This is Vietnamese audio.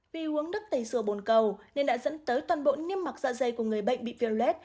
vì uống đất tầy dừa bồn cầu nên đã dẫn tới toàn bộ niêm mặc dạ dày của người bệnh bị viên lết